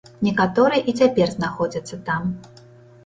Некаторыя і цяпер знаходзяцца там.